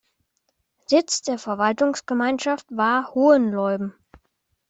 Sitz der Verwaltungsgemeinschaft war Hohenleuben.